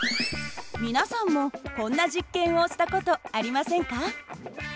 皆さんもこんな実験をした事ありませんか？